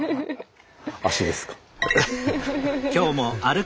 足ですか。